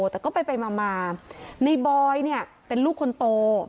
แต่ก็ไปมาในบอยเนี่ยเป็นลูกคนโต